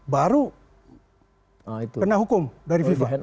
baru kena hukum dari fifa